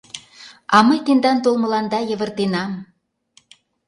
А мый тендан толмыланда йывыртенам.